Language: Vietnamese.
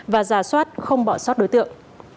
và rà soát không bỏ sót đối tượng